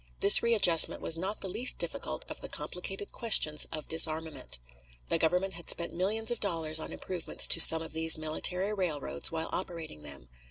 This readjustment was not the least difficult of the complicated questions of disarmament. The Government had spent millions of dollars on improvements to some of these military railroads while operating them.